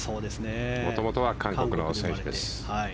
もともとは韓国の選手です。